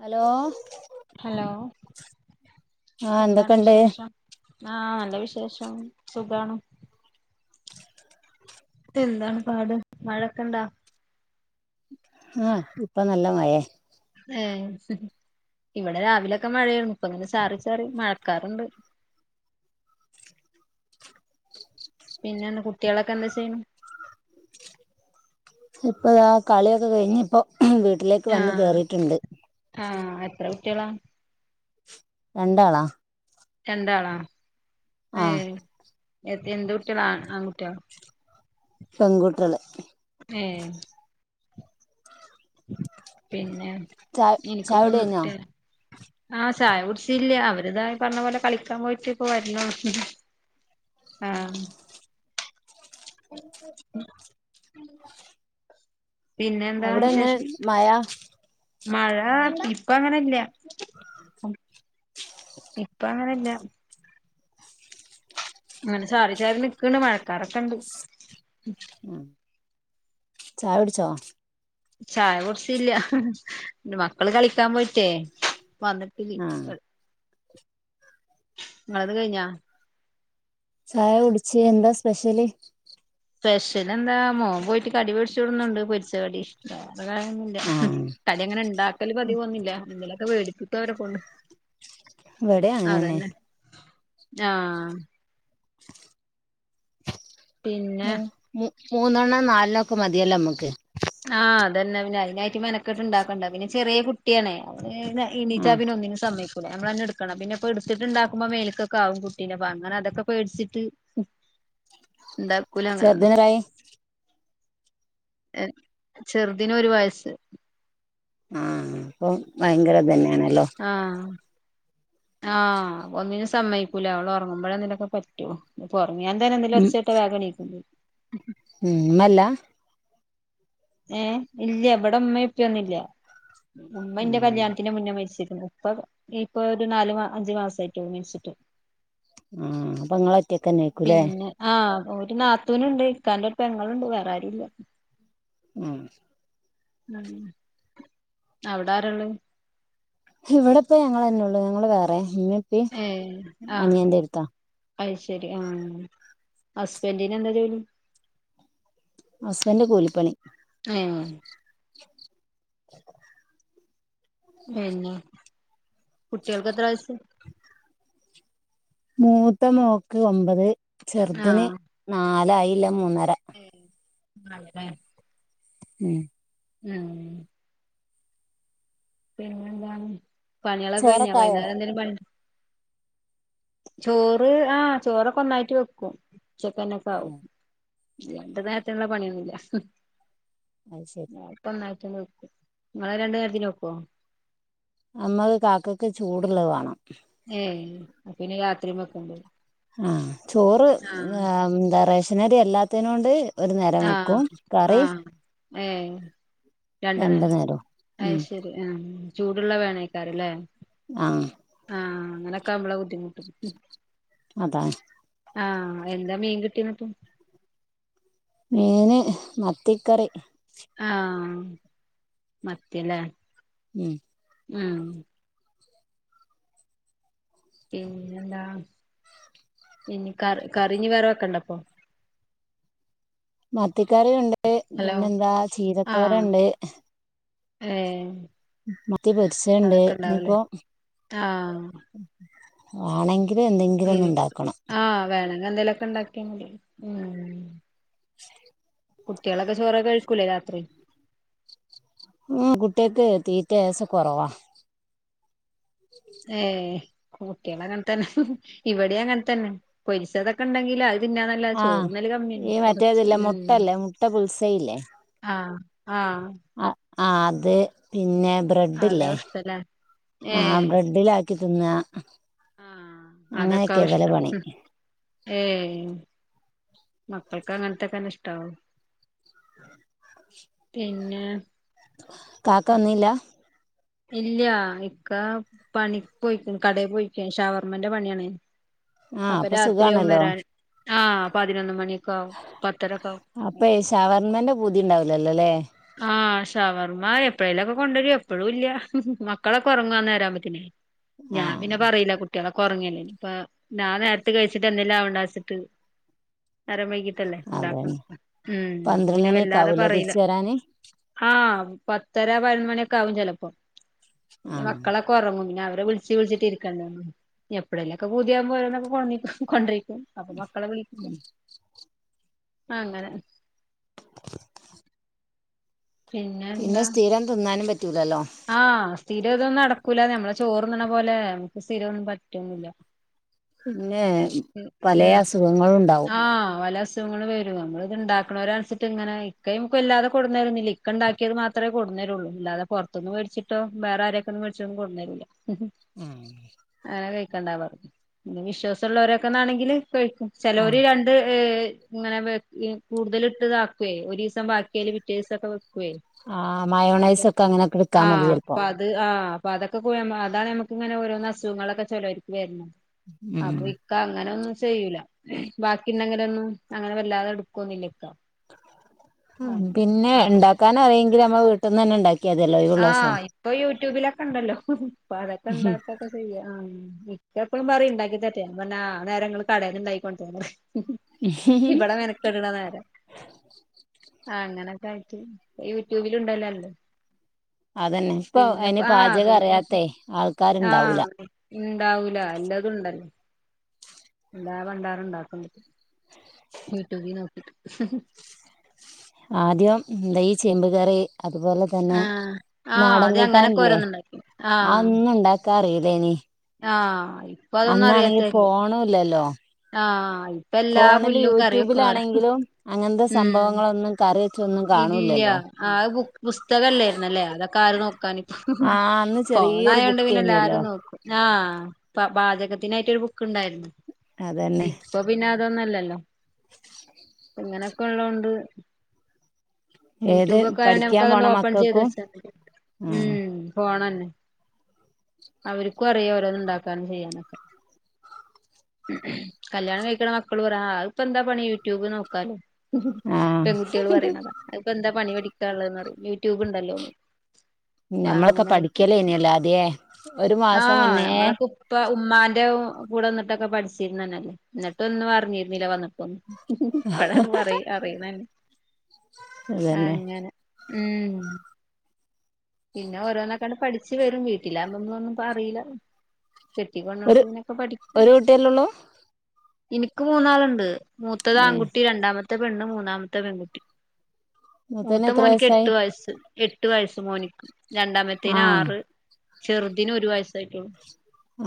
Hello hello ആഹ് എന്താണ് എന്തൊക്കെണ്ട് വിശേഷം. ആ നല്ല വിശേഷം. സുഖമാണ്. എന്താണ് പാട് മഴൊക്കെ ഇണ്ടാ ആ ഇപ്പ നല്ല മഴയാ. ഏ ഇവിടെ രാവിലെയൊക്കെ മഴയാണ്. ഇപ്പ അങ്ങനെ ചാറി ചാറി മഴക്കാറുണ്ട്. പിന്നെ കുട്ടികളൊക്കെ എന്താ ചെയ്യുന്നു. ഇപ്പൊ ആ കളിയൊക്കെ കഴിഞ്ഞ് ഇപ്പോ വീട്ടിലേക്ക് വന്ന് കേറിയിട്ടുണ്ട്. ആ എത്ര കുട്ടികളാ. രണ്ടാളാ. രണ്ടാളാ. ആ ഏഹ് എന്ത് കുട്ടികളാ, ആൺകുട്ടികളാ പെൺകുട്ടികള്. ആ പിന്നെ? ച ചായ കുടികഴിഞ്ഞോ? [unintelligible] ആ ചായ കുടിച്ചില്ല അവര് ഇതായി പറഞ്ഞപോലെ കളിക്കാൻ പോയിട്ട് ഇപ്പോ വരുന്ന ആ [unintelligible] [inaudible] പിന്നെ അവിടെങ്ങനെ മയ? മഴാ ഇപ്പ അങ്ങനെ ഇല്ല. ഇപ്പ അങ്ങനെല്ല. അങ്ങനെ ചാറി ചാറി നിക്കണ്. മഴക്കാറൊക്കെണ്ട്. ഉം... ചായുട്ച്ചോ?. ചായ കുടിച്ചില്ല. ഹ്ഹ്.. ഹ്ഹ് മക്കള് കളിക്കാൻ പോയിട്ടേയ് വന്നിട്ടില്ല. ആഹ് ങ്ങൾത് കഴിഞ്ഞാ ചായ കുടിച്ച് എന്താ സ്പെഷ്യല്. സ്പെഷ്യൽ എന്താ മോൻ പോയിട്ട് കടി വെടിച്ചുകൊടന്ന്ണ്ട് പൊരിച്ചകടി [unintelligible] മ്മ്ഹ്... ആഹ് കടി അങ്ങനെ ണ്ടാക്കല് പതിവോന്നില്ല. എന്തലൊക്കെ വേടിപ്പിക്കും അവരെ കൊണ്ട്. ഇവിടെ അങ്ങനെന്നെ അതന്നെ, ആ.... പിന്നെ ഉം മൂന്നെണ്ണം, നാലെണ്ണം ഒക്കെ മതിയല്ലോ നമ്മക്ക്. ആ അതന്നെ പിന്നെ അതിനായിട്ട് മെനക്കെട്ട് ഇണ്ടാക്കണ്ടെ. പിന്നെ ചെറിയെ കുട്ടിയാണേയ് [inaudible] എനീറ്റാ ആഹ് പിന്നെ ഒന്നിനു സമയിച്ച് [inaudible] നമ്മള് തന്നെ എടുക്കണം. പിന്നെ ഇപ്പൊ എടുത്തിട്ട്ണ്ടാക്കുമ്പോ മേലേക്ക് ആകും കുട്ടീനെ, അങ്ങനെ അതൊക്കെപേടിച്ചിട്ട്. ണ്ടാകൂല അങ്ങനൊന്നും. ചെറുതിനെത്രായി യെ [inaudible] ചെറുതിന് ഒരു വയസ്സ്. ആ... അപ്പൊ, ഭയങ്കരതന്നെയാണല്ലോ. ആ... ആ... ഒന്നിനും സമ്മയിക്കൂല. അവള് ഉറങ്ങുമ്പോഴ ഇതിനൊക്കെ പറ്റും. ഒറങ്ങിയാതന്നെന്തെലും ഒച്ചോട്ട വേഗം എണിക്കും. ഇമ്മല്ല ഏഹ്, ഇല്ല്യ ഇബെടെ ഇമ്മേം ഇപ്പിയൊന്നുല്ല്യ. ഉമ്മന്റെ കല്യാണത്തിന് മുന്നേ മരിച്ചിക്ക്‌ണ്. ഉപ്പ ഇപ്പൊരു നാല്മാ അഞ്ച് മാസായിട്ടൊള്ളു മരിച്ചിട്ട്. മ്ഹ്... അപ്പൊങ്ങളൊറ്റക്കന്നെര്ക്കും. ലേ... ആ... ഒരു നാത്തൂന്ണ്ട്, ഇക്കാന്റെ ഒരു പെങ്ങളുണ്ട്, വേറെ ആരുല്ല. മ്... ഉം... ഔടെ ആരള്ളേ ഇവിടെപ്പ ഞങ്ങളെന്നൊള്ളു ഞങ്ങൾ വേറെ ഇമ്മിപ്പിം അനിയന്റെടുത്താ അയ്ശേരി മ്ഹ് ഹസ്ബൻഡിന് എന്താ ജോലി. ഹസ്ബന്റ് കൂലിപ്പണി ഏഹ്... [inaudible] [inaudible] പിന്നെ കുട്ട്യാൾക്ക്എത്രവയസ്? മൂത്ത മോക്ക് ഒമ്പത്, ചെറുതിന് നാലയില്ല, മൂന്നര. ഏഹ്... മൂന്നാള് ലേ ഉം.. ഉം... പിന്നെന്താണ് പണികളൊക്കെ കഴിഞ്ഞാ ചോറൊക്കെ ആയോ വൈന്നേരം എന്തേലും പണിയുണ്ടോ. ചോറ്... ആ ചോറൊക്കെ ഒന്നായിട്ട് വെക്കും. ഉച്ചക്കെന്നെ ഒക്കെ ആകും. ഉം രണ്ട് നേരത്തിന്ള്ള പണിയൊന്നുല്ല. അത് ശരി ഹ്ഹ്മ് ഇപ്പൊന്നായിട്ടന്നെ വെക്കും. ഇങ്ങള് രണ്ടു നേരത്തിന് വെക്കുവോ. അമ്മള് കാക്കക്ക് ചൂടുള്ളത് വാണം. ഏയ്... അപ്പൊ പിന്നെ രാത്രിം വെക്കേണ്ടി വരും. ആഹ് ചോറ് ആഹ് ആ മ് എന്താ റേഷനരി അല്ലാത്തെനോണ്ട്. ഒരു നേരം ആഹ് വെക്കും കറി ആഹ് ഏഹ്... രണ്ടു നേരം നേരവും ഉം അയ്ശേരി. ആഹ്.. മ് ചൂടുള്ള വേണേക്കാരം ല്ലേ? ആഹ് ആഹ് അങ്ങനൊക്കാവുമ്പള ബുദ്ധിമുട്ട് അതാണ് ആഹ് എന്താ മീൻ കിട്ടിയെന്നട്ട് മീന് മത്തിക്കറി ആഹ് മത്തി ലേ ഉം ഉം പിന്നെന്താ ഇനി കറി കറിഞ്ഞി വേറെ വെക്കണ്ടപ്പോ മത്തിക്കറിയുണ്ട് ഹലോ പിന്നെന്താ ആഹ് ചീരത്തോരണ്ട് ഏഹ് മത്തി പൊരിച്ചത്ണ്ട് അതൊക്കെ ഇണ്ടാവൂലേ ഇഞ്ഞിപ്പോ ആഹ് വാണെങ്കി ല് എന്തെങ്കിലും ഇനി ഒന്ന് ണ്ടാക്കണം ആഹ് വേണങ്കി എന്തേലൊക്കെ ണ്ടാക്കിയാ മതി ഉം ശ [inaudible] കുട്ട്യാളൊക്കെ ചോറ് കയ്ക്കൂല്ലേ രാത്രി ഉം കുട്ട്യാക്ക് തീറ്റ ഏസം കൊറവാ ഏഹ് കുട്ട്യാളെങ്ങനെതന്നെ ഇവിടേം അങ്ങനെ തന്നെ പൊരിച്ചതൊക്കെ ണ്ടെങ്കില് അ അതിന്നാ ന്നല്ലാതെ ആഹ് ചോറ്ന്നല് കമ്മിയാണ് ഈ കൊറച്ച് മറ്റേതില്ലേ ഉം മുട്ടല്ലേ മുട്ട പുൽസയില്ലേ ആഹ് ആഹ് ആഹ് ആഹ് അത് പിന്നെ ബ്രെഡ്ഡില്ലേ അതാവും ഇഷ്ടല്ലേ ആ ഏഹ് ബ്രെഡിലാ ക്കി തിന്ന അങ്ങനെക്കെ ഇവലെ പണി ഏയ് മക്കൾക്ക് അങ്ങൻത്തെക്കെന്നെ ഇഷ്ടവും പിന്നെ കാക്കവന്നില്ല ഇല്ല ഇക്ക പണി പോയിക്കണ് കടെ പോയിക്ക ഷവർമെന്റെ പണിയാണ് ആഹ് അപ്പൊ രാത്രിയാവും സുഖാണല്ലോ വരാൻ ആഹ് പതിനൊന്ന് മണി അപഴെ ഷവർമെന്റെ പൂതി ഉണ്ടാവലല്ലോല്ലേ ആഹ് ഷവർമ്മ എപ്പഴേലുക്കെ കൊണ്ടുവരും എപ്പഴും ഇല്ല മക്കളൊക്കെ ഉറങ്ങാന് നേരം ആകുമ്പാതെന്ഞാൻ ആഹ് പിന്നെ പറയില്ല കുട്ട് കുട്ടികളൊക്കെ ഉറങ്ങിയല്ലേ ഇനിപ്പ ഞാൻ നേരത്തെ കഴിച്ചിട്ട് എന്തെല്ലാം അവണ്ടാച്ചിട്ട് നേരം വൈകി ല്ലേ ഉണ്ടാക്കണം അതന്നെ ഉം അപ്പൊ പന്ത്രണ്ട് പിന്നെ മണിയൊക്കെ വല്ലാതെ ആവൂലേ പറയില്ല തിരിച്ച് വരാന് ആഹ് പത്തര പതിനൊന്നുമണിയൊക്കെ ആകും ചിലപ്പോ പിന്നെ ആഹ് മക്കളൊക്കെ ഉറങ്ങും പിന്നെ അവരെ വിളിച്ച് വിളിച്ചിട്ടിരിക്കണ്ട എപ്പഴേലും ഒക്കെ പൂതിയാവുമ്പോ ഓരോന്നൊക്കെ കൊ കൊണ്ടിരിക്കും അപ്പൊ മക്കളെ വിളിക്കും ആഹ് അങ്ങനെ പിന്നെ സ്ഥിരം തിന്നാനും പറ്റൂലല്ലോ ആഹ് സ്ഥിരയിതൊന്നും നടക്കൂല നമ്മള് ചോറുണ്ണണപോലെ ക്ക് സ്ഥിരമൊന്നും പറ്റൊന്നില്ല പിന്നെ ഉം പലേ ഉം അസുഖങ്ങളും ഉണ്ടാവും ആഹ് ഒല അസുഖങ്ങൾ വരും നമ്മള് ഇതൊണ്ടാക്കണവരവെച്ചിട്ട് ഇങ്ങനെ ഇക്ക നമുക്ക് വല്ലാതെ കൊണ്ടുന്ന്തരുന്നില്ല ഇക്ക ഉണ്ടാക്കിയത് മാ മത്രേ കൊണ്ടുന്ന് തരുള്ളൂ ഇല്ലാതെ പുറത്തൊന്ന് മേച്ചിട്ടോ വേറെ ആരൊക്കൊണ്ട് മേടിച്ചതൊ കൊണ്ടുന്ന് തരുല്ല ഉമ് അങ്ങനെ കഴിക്കണ്ടാ പറയു പിന്നെ വിശ്വാസവുള്ളവരൊക്കെന്നാണെങ്കില് കഴിക്കും ആഹ് ചെലോര് ര ഏഹ് ഇങ്ങനെ വേ യി കൂടുതല് ഇട്ട് യിതക്കുവേ ഒരു ദിവസം ബാക്കിയാല് പിറ്റേ ദിവസൊക്കെ വെക്കുവെ ആഹ് മയോണൈസ് ഒക്കെ അങ്ങനെയൊക്കെ എടുക്കാ മതി ആഹ് ചെലപ്പോ പ്പ അത് ആഹ് അപ്പോ അതൊക്കെ അതാണ് നമക്ക് ഇങ്ങനെ ഓരോന്ന് അസുഖങ്ങളൊക്കെ ചെലോർക്ക്‌ വരുന്നത് ഉം അപ്പൊ ഇക്ക അങ്ങനെ ഒന്നും ചെയ്യൂല ബാക്കിന്റെങ്ങനെയോന്നും അങ്ങനെ വല്ലാതെ എടുക്കൊന്നില്ല ഇക്ക ഹാ അങ്ങനെ പിന്നെ അപ്പൊ പിന്നെ ഇണ്ടാക്കാനറിയങ്കില് നമ്മളെ വീട്ട്ന്നന്നെ ഇണ്ടാ ആ ഇപ്പൊ യൂട്യൂബിലൊക്കെ ണ്ടല്ലോ ഇപ്പ അതൊക്കെ ഇണ്ടാക്കൊക്കെ ചെയ്യ ആഹ് ഇക്ക എപ്പളും പറിം ഇണ്ടാക്കി തര്ട്ടെന്ന് ഞാൻ പർഞ് ആ നേരങ്ങള് കടേന്ന് ഇണ്ടാക്കി കൊണ്ടര് ന്ന് ഇബട മെന ക്കടണ നേരം അങ്ങനെക്കായിട്ട് യൂട്യൂബില് ഇണ്ടല്ലല്ലോ എല്ലും അതന്നെ ഇപ്പൊ പിന്നെപ്പ അയിന് ആഹ് പാചക പിന്നെപ്പ അറിയാത്തെ ആൾക്കാര്ണ്ടാവൂല ആഹ് ഇണ്ടാവൂല എല്ലതുണ്ടല്ലോ [unintelligible] ഉണ്ടാക്ക്‌ണ്ട് യൂട്യൂബി നോക്കിട്ട് ആദ്യം ന്ത ഈ ചെമ്പ് കറി അതുപോലെ തന്നെ ആഹ് ആഹ് നാടം ആദ്യം അങ്ങനൊക്കെ കൂട്ടാൻല്ലേ ഓരോന്ന് ഉണ്ടാക്കി ആഹ് അഒന്നും ഇണ്ടാക്കാറില്ലേനി ആഹ് ഇപ്പൊ അന്നാണെങ്കി ഫോണു ഇല്ലല്ലോ ആ ഇപ്പ എല്ലാ ഫോണില് പുല്ലും കറി വെക്ക്‌ണോരാ ഉം ഒന്നും കറി വെച്ചോന്നും ഇല്ല അഹ് ബു പുസ്തകല്ലെയിരുന്നല്ലേ അതൊക്കെ ആര് നോക്കാന് ആഹ് അന്ന് ചെറിയൊരു ഫോണായോണ്ട് പിന്നെ ബുക്കേനിയല്ലോ എല്ലാരും നോക്കും ആഹ് പ പാചകത്തിനായിട്ടോരു ബുക്ക് ഇണ്ടായിരുന്നു അതന്നെ ഇപ്പൊ പിന്നെ അതൊന്നു അല്ലല്ലോ [inaudible] ഇങ്ങനെക്കെ ഉള്ളോണ്ട് ഏത് ട്യൂബോക്കെ ആയൊണ്ട് പഠിക്കാൻ നമുക്കതാണ്ടു പോണ ഓപ്പൺ ചെയ്ത് മക്കൾക്കും വെചാ മതി ആഹ് ഉം ഫോണന്നെ അവര്ക്കു അറിയാ ഓരോന്ന് ഇണ്ടാക്കാനും ചെയ്യാനൊക്കെ കല്യാണം കഴിക്ക്‌ണ മക്കള് പറ ആ അഹ്പ്പ എന്താ പണി യൂട്യൂബ് നോക്കാലോ ആഹ് പെൺകുട്ടികൾ പറയ്‌ണതാ അതിപ്പ എന്താ പണി പടിക്കാൻള്ളെ ന്ന് പറിം യൂട്യൂബ് ഇണ്ടല്ലോ ന്ന് നമ്മളൊക്കെ പഠിക്കലെനിഴല്ല ആദ്യെ ഒരു മാസം മുന്നേ പ്പ ഉമ്മാന്റെ കൂടെന്ന്ട്ടൊക്ക പഠിച്ചിര്ന്നേന്നല്ലേ ന്നട്ടും ഒന്നു അർഞ്ഞിര്ന്നില്ല വന്ന്ട്ടൊന്നും ഇപ്പഴാണ് പറി അറിണെ അതന്നെ അങ്ങനെ ഉം പിന്നെ ഓരോന്നക്കാണ്ട് പഠിച്ച് വരും വീട്ടിലാവുമ്പന്നൊന്നും പറീല കെട്ടി ഒരു കൊണ്ടോട്ത്ത്ന്ന് പിന്നപ്പോ പഠിക്കും ഒരു കുട്ടിയല്ലേള്ളൂ ഇൻക്ക് മൂന്നാള്ണ്ട് മൂത്തത് ഏഹ് ആൺകുട്ടി രണ്ടാമത്തെ പെണ്ണ് മൂന്നാമത്തെ പെൺകുട്ടി മൂത്തോന് മൂത്ത എത്ര മോൻക്ക് വയസ്സായി എട്ട് വയസ്സ് എട്ട് വയസ്സ് മോന് ക്ക് രണ്ടാമത്തേന് ആഹ് ആറ് ചെറുതിന് ഒരു വയസ്സായിട്ടോള്ളു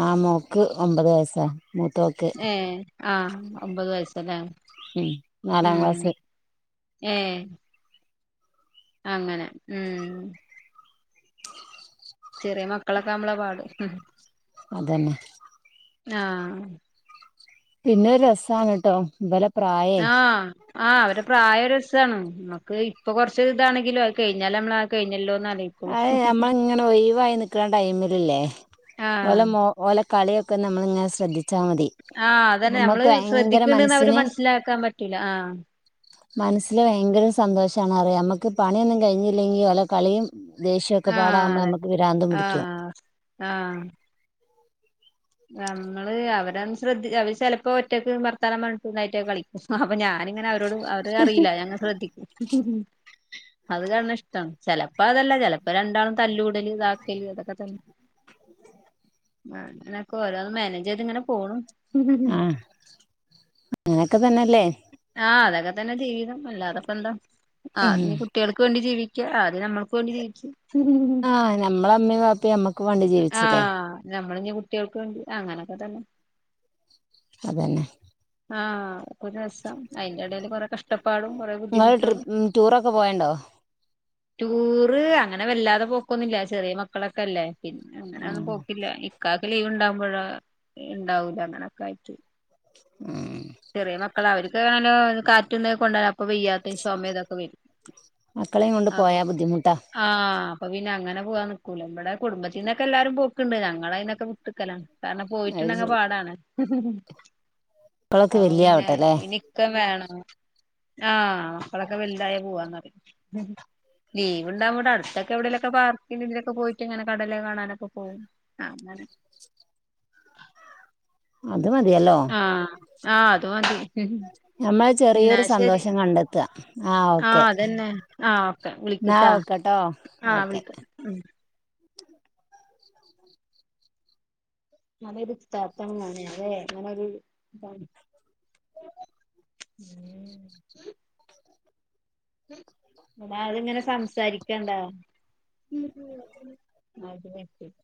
ആ മോക്ക് ഒമ്പത് വയസ്സാ മൂത്തോ ഏ ആ ഒമ്പത് വയസ് ലേ ഉം നാലാം ക്ലാസ്സ്‌ ഏ അങ്ങന ഉം ചെറിയ മക്കളക്ക ആവുമ്പളാ പാട് ഉം അതന്നെ ആഹ് പിന്നെ ഒര് രസാണ് ട്ടോ ഇബലെ ആ ആ അവരെ പ്രായ രസാണ് നമ്മക്ക് ഇപ്പൊ കൊർച്ച് ഇതാണങ്കിലോ അഹ് കഴിഞ്ഞാല് നമ്മള് കഴിഞ്ഞല്ലോന്ന് ആലോയി അഹ് നമ്മള ഇങ്ങനെ ഒഴിവായി നിക്ക്ണ ടൈമ് ല് ല്ലേ ആഹ് ഓലെ മോ ഓലെ കളിയൊക്കെ നമ്മള് ങ്ങനെ ശ്രദ്ധിച്ചാ മതി ആ അതന്നെ നമ്മള് നമ്മക്ക് ഭയങ്കര ശ്രദ്ധിക്ക് ണ്ട്ന്ന് അവര് മനസ്സിന് മൻസ്സിലാക്കാം പറ്റൂല ആഹ് മൻസ്സില് ഭയങ്കര സന്തോഷാണ് അറിയോ അമ്മക്ക് പണിയൊന്നും കഴിഞ്ഞില്ലെങ്കി ഓലെ കളിയും ദേഷ്യൊക്കെ ആ പാടാവുമ്പോ അതന്നേ നമ്മക്ക് പിരാന്തും പിടിക്കും ആഹ് ആഹ് നമ്മള് അവരെ ശ്രദ്ധി അവര് ചിലപ്പോ ഒറ്റക്ക് ഭർത്താനം പറഞ്ഞിട്ടും നൈറ്റ്റൊക്കെ കളിക്കും അപ്പൊ ഞാന് അങ്ങനെ അവരോട് അവര് അറില്ല ഞാൻ ങ്ങനെ ശ്രദ്ധിക്കും അത് കാണണ് ഇഷ്ട്ടാണ് ചലപ്പോ അതല്ല ചലപ്പോ രണ്ടാളും തല്ലൂടല് ഇതാക്കല് അതൊക്ക തന്നെ ങ്ങനൊക്ക ഓരോന്ന് മാനേജ് ചെയ്ത് ഇങ്ങനെ പോണു ആഹ് അങ്ങനൊക്ക തന്നെല്ലേ ആഹ് അതൊക്കതന്നെ ജീവിതം അല്ലാതെ ഇപ്പൊ എന്താ ഉം ആഹ് ഇനി കുട്ടികൾക്ക് ജീവിക്ക ആദ്യം നമ്മൾക്ക് വേണ്ടി ജീവിച്ചു [unintelligible] ആഹ് നമ്മളെ അമ്മയും വാപ്പയും നമ്മക്ക് വേണ്ടി ജീവിച്ചില്ലേ ആഹ് ഞമ്മൾ ഇനി കു കുട്ടികൾക്ക് വേണ്ടി അങ്ങനൊക്കെ തന്നേ അതന്നെ ആഹ് ഒരു രസം അയിന്റെ എടൽ കുറെ പ്രശ്നം ങ്ങള് ട്രി ടൂറൊക്കെ പോയണ്ടോ ടൂർ അങ്ങനെ വല്ലാതെ പോക്കൊന്നില്ല ചെറിയ മക്കളൊക്കെ അല്ലേ പിന്ന അങ്ങന ആ ഒന്നും പോക്കില്ല ഇക്കാക്ക് ലീവ്ണ്ടാകുമ്പോഴ ഉണ്ടാവൂല അങ്ങനെയൊക്കെ ആയിട്ട്- [unintelligible] മക്കള് അവർക്ക് നല്ലോ കാറ്റ് കൊണ്ട ഇപ്പ വയ്യാത്തെ ചൊമേതൊക്കെ വരും മക്കളെയും കൊണ്ട് ആപ്പോ- പോയാ ബുദ്ധിമുട്ടാ ആഹ് അപ്പൊ പിന്ന അങ്ങനെ പോകാൻ നിക്കൂല ഇവിടെ കുടുംബത്തിൽന്നൊക്കെ എല്ലാരും പോക്ക്ണ്ട് ഞങ്ങള് അയിന്നൊക്ക വിട്ട്ക്കലാണ് കാരണം അത് പോയിട്ടുണ്ടങ്ങ് ശരി പാടാണ്- മക്കളോക്ക വലിയ ആവട്ടെ ലെ ഒക്ക വേണം ആഹ് മക്കളൊക്കെ വലുതായ പോവാൻ തൊടങ്ങി ലീവ്ണ്ടാകുബോ ഇവിടെ അടുത്തക്കെ എവിടേലൊക്കെ പാർക്കിൽ ഇതിലൊക്കെ പോയിട്ട്ങ്ങന കടല് കാണാനൊക്കെ പോകും അഹഹ അങ്ങനെ അത് മതിയല്ലോ ആഹ് ആഹ് അതുമതി- നമ്മള് ന്നാ ചെറിയൊരു ശരി സന്തോഷം കണ്ടെത്താ ഓക്കെ ആഹ് അതന്നെ ആഹ് എന്നാ വിളിക്ക്ട്ടാ ഓക്കെട്ടോ ആഹ് ഓക്കെ വിളിക്ക ഉം നല്ലരുത്താത്തമോനെ ല്ലേ ഇങ്ങനൊരു ഇതാണ് [unintelligible] [inaudible] [inaudible] അൾ ഞനെ സംസാരിക്കണ്ടാ [inaudible] അത് [inaudible]